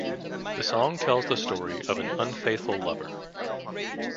The song tells the story of an unfaithful lover.